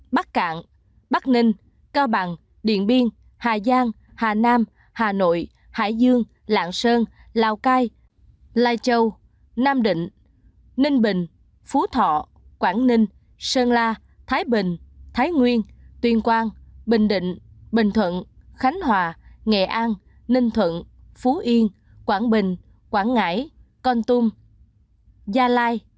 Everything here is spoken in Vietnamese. bắc cạn bắc ninh cao bằng điện biên hà giang hà nam hà nội hải dương lạng sơn lào cai lai châu nam định ninh bình phú thọ quảng ninh sơn la thái bình thái nguyên tuyên quang bình định bình thuận khánh hòa nghệ an ninh thuận phú yên quảng bình quảng ngãi con tum gia lai